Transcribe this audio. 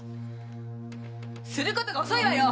「することが遅いわよ！」